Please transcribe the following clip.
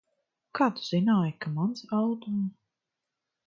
Kā tu zināji, ka mans auto?